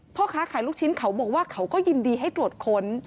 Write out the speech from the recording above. พ่อค้าขายลูกชิ้นเขาบอกว่าเขาก็ยินดีให้ตรวจค้น